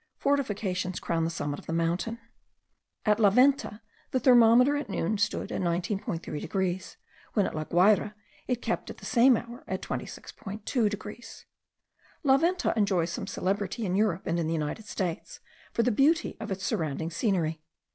Fortifications crown the summit of the mountain. At La Venta the thermometer at noon stood at 19.3 degrees, when at La Guayra it kept up at the same hour at 26.2 degrees. La Venta enjoys some celebrity in Europe and in the United States, for the beauty of its surrounding scenery.